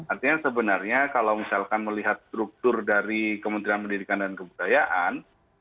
artinya sebenarnya kalau misalkan melihat struktur dari kementerian pendidikan dan kebudayaan